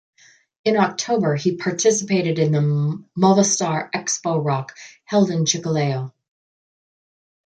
In October he participated in the Movistar Expo Rock held in Chiclayo.